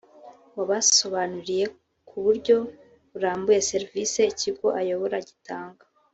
wabasobanuriye ku buryo burambuye serivisi ikigo ayobora gitanga